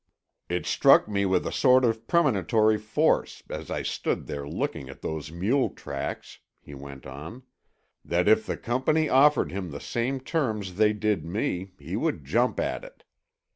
"It struck me with a sort of premonitory force, as I stood there looking at those mule tracks," he went on, "that if the Company offered him the same terms they did me he would jump at it.